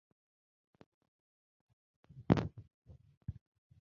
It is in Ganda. Ebintu by'omukwano sibyangu .